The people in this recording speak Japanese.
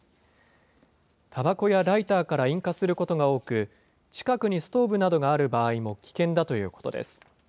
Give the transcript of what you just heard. たばこやライターから引火することが多く、近くにストーブなどがある場合も危険だということです。